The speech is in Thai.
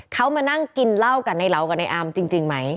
เขามานั่งกินเหล้ากันในเหลากับในอามจริงไหม